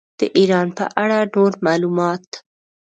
د ایران په اړه نور معلومات.